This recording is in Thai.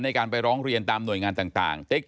ในการไปร้องเรียนตามหน่วยงานต่าง